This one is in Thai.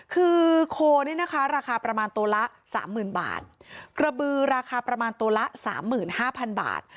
คือโคลนี่นะคะราคาประมาณตัวละ๓๐๐๐๐บาทกระบือราคาประมาณตัวละ๓๕๐๐๐บาท